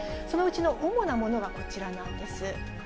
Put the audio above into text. そのうちの主なものがこちらなんです。